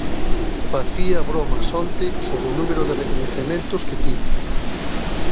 Facía bromas onte sobre o número de recoñecementos que tivo.